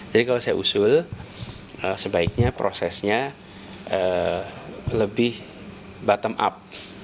jadi kalau saya usul sebaiknya prosesnya lebih bottom up